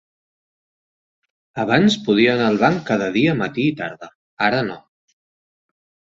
Abans podia anar al banc cada dia matí i tarda; ara no.